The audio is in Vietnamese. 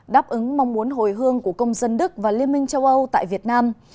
đáp ứng mong muốn hồi hương của công dân đức và liên minh châu âu tại việt nam